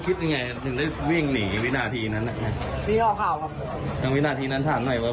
คิดยังไงถึงได้วิ่งหนีวินาทีนั้นวินาทีนั้นถามหน่อยว่า